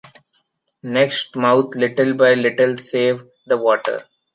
next mouth little by little save the water